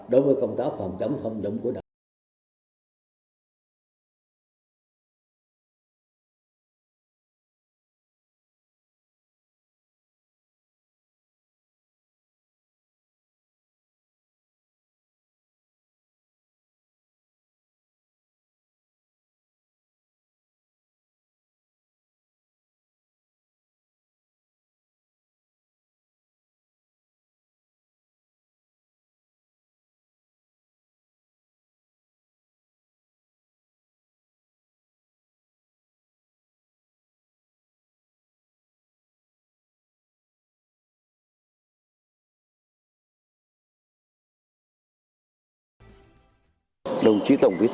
đối với công tác phòng chống tham nhũng của đất